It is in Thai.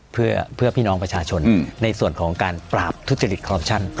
เพื่อพี่น้องประชาชนในส่วนของการปราบทุจริตคอรัปชั่น